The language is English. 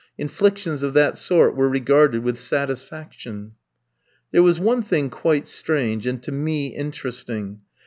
Inflictions of that sort were regarded with satisfaction. There was one thing quite strange, and to me interesting.